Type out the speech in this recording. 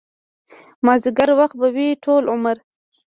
مازديګر وخت به وي ټول عمر